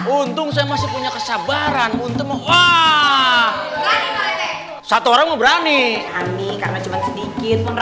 untuk saya masih punya kesabaran untuk wah satu orang berani sedikit